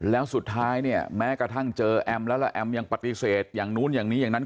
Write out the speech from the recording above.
แล้วสุดท้ายเนี่ยแม้กระทั่งเจอแอมแล้วแล้วแอมยังปฏิเสธอย่างนู้นอย่างนี้อย่างนั้น